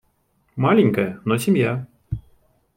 Маленькая, но семья.